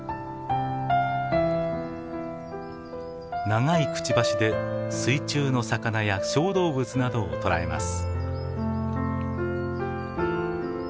長いくちばしで水中の魚や小動物などを捕らえます。